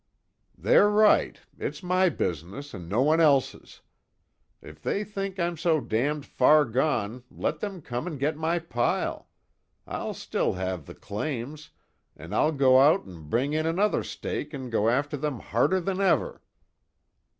"They're right it's my business, and no one else's. If they think I'm so damned far gone let them come and get my pile I'll still have the claims, and I'll go out and bring in another stake and go after them harder than ever!"